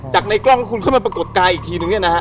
ในกล้องที่คุณเข้ามาปรากฏกายอีกทีนึงเนี่ยนะฮะ